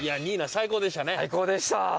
最高でした。